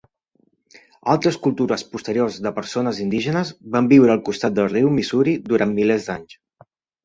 Altres cultures posteriors de persones indígenes van viure al costat del riu Missouri durant milers d"anys.